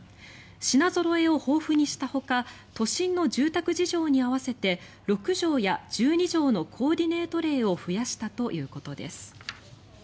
品ぞろえを豊富にしたほか都心の住宅事情に合わせて６畳や１２畳のコーディネート例を増やしたということです。